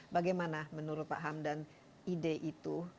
bagaimana menurut pak hamdan ide itu